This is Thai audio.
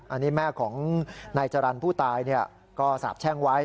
อันนี้แม่ของนายจรรย์ผู้ตายก็สาบแช่งไว้